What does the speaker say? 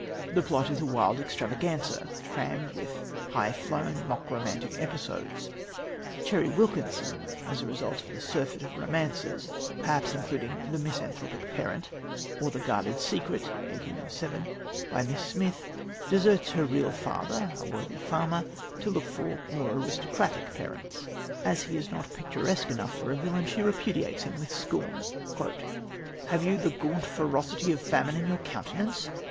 The plot is a wild extravaganza, crammed with high flown, mock romantic episodes. Cherry Wilkinson, as the result of a surfeit of romances, perhaps including The Misanthropic Parent or The Guarded Secret (1807), by Miss Smith, deserts her real father a worthy farmer to look for more aristocratic parents. As he is not picturesque enough for a villain, she repudiates him with scorn: "Have you the gaunt ferocity of famine in your countenance?